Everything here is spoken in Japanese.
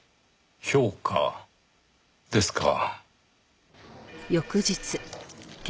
評価ですか。